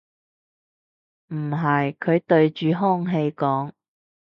唔係，佢對住空氣講